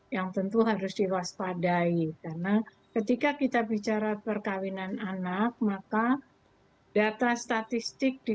yang tentu harus diwaspadai karena ketika kita bicara perkawinan anak maka data statistik di